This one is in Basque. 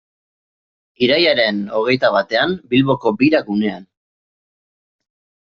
Irailaren hogeita batean, Bilboko Bira gunean.